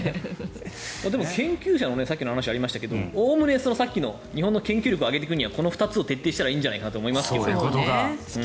でも研究者のさっきの話がありましたけどおおむね日本の研究力を上げていくにはこの２つを徹底したらいいと思いますが。